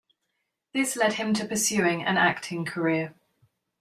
This led to him pursuing an acting career.